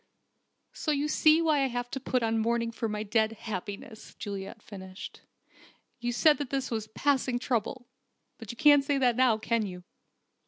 "So you see why I wanted to put on mourning for my dead happiness," Juliet finished. "You said this was a 'passing trouble.' But you can't say that now, can you?"